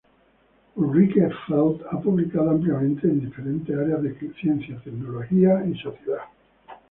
Ulrike Felt ha publicado ampliamente en diferentes áreas de Ciencia, Tecnología y Sociedad.